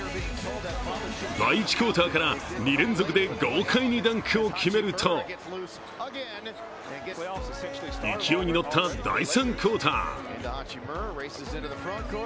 第１クオーターから２連続で豪快にダンクを決めると勢いに乗った第３クオーター。